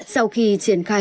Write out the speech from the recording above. sau khi triển khai